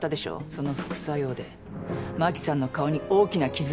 その副作用で真紀さんの顔に大きな傷が残った。